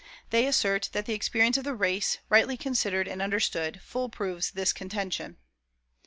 They assert that the experience of the race, rightly considered and understood, full proves this contention.